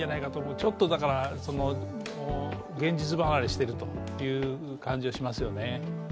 ちょっと現実離れしている感じがしますよね。